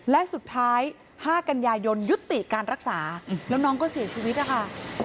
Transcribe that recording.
และสุดท้าย๕กันยายนยุติการรักษาแล้วน้องก็เสียชีวิตนะคะ